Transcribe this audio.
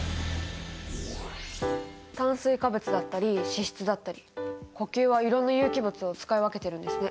炭水化物だったり脂質だったり呼吸はいろんな有機物を使い分けてるんですね。